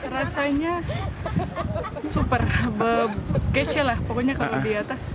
rasanya super kece lah pokoknya kalau di atas